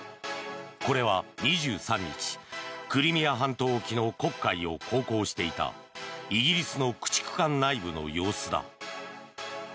これは２３日、クリミア半島沖の黒海を航行していたイギリスの駆逐艦内部の様子だ。